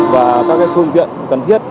và các phương tiện cần thiết